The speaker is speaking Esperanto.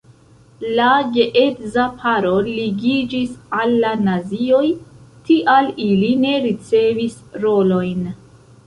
La geedza paro ligiĝis al la nazioj, tial ili ne ricevis rolojn.